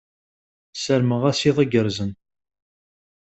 Ssarmeɣ-as iḍ igerrzen.